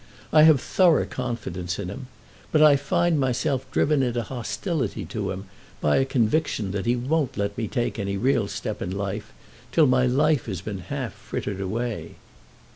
I have thorough confidence in him. But I find myself driven into hostility to him by a conviction that he won't let me take any real step in life, till my life has been half frittered away."